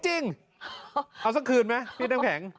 จริงเอาสักคืนไหมพี่น้ำแข็ง